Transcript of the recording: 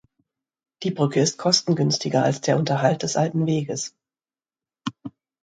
Die Brücke ist kostengünstiger als der Unterhalt des alten Weges.